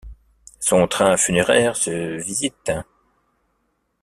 Son train funéraire se visite.